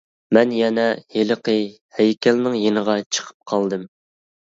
مەن يەنە ھېلىقى ھەيكەلنىڭ يېنىغا چىقىپ قالدىم!